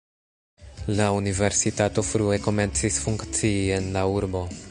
La universitato frue komencis funkcii en la urbo.